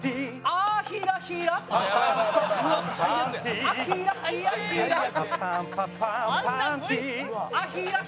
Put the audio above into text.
「あっヒラヒラ」